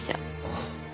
ああ。